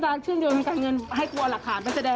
ถ้าคุณอยากประกันตัวหรือลูกคุณคันไหม